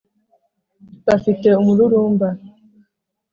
Bafite umururumba